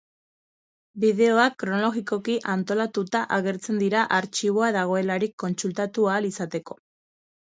Bideoak kronologikoki antolatuta agertzen dira artxiboa dagoelarik kontsultatu ahal izateko.